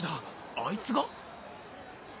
・・あいつが？